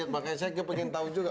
makanya saya pengen tahu juga